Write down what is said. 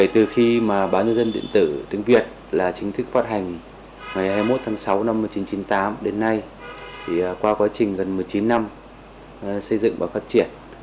từ ngày hai mươi một tháng sáu năm một nghìn chín trăm chín mươi tám đến nay qua quá trình gần một mươi chín năm xây dựng và phát triển